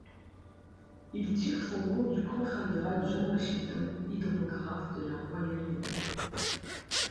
Il tire son nom du contre-amiral John Washington, hydrographe de la Royal Navy.